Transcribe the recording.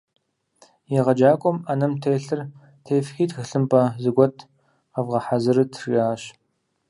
Егъэджакӏуэм «ӏэнэм телъыр тефхи, тхылъымпӏэ зэгуэт къэвгъэхьэзырыт» жиӏащ.